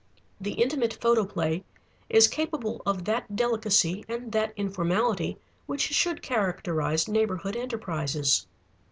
The Intimate Photoplay is capable of that delicacy and that informality which should characterize neighborhood enterprises.